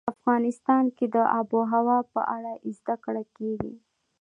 افغانستان کې د آب وهوا په اړه زده کړه کېږي.